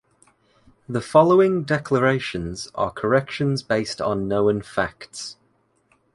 The following declarations are corrections based on known facts.